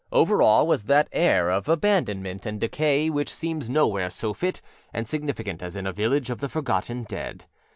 Over all was that air of abandonment and decay which seems nowhere so fit and significant as in a village of the forgotten dead.